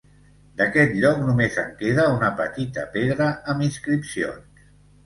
D'aquest lloc només en queda una petita pedra amb inscripcions